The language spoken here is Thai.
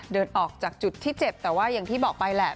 เดินออกจากจุดที่เจ็บแต่ว่าอย่างที่บอกไปแหละ